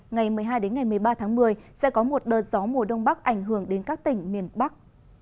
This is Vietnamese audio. ngày một mươi hai đến ngày một mươi ba tháng một mươi sẽ có một đợt gió mùa đông bắc ảnh hưởng đến các tỉnh miền bắc